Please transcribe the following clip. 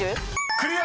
［クリア！］